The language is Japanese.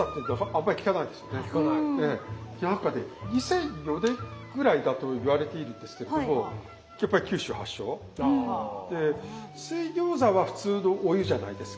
２００４年ぐらいだと言われているんですけれどもやっぱり九州発祥。で水餃子は普通のお湯じゃないですか。